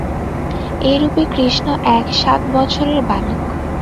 এই রূপে কৃষ্ণ এক সাত বছরের বালক।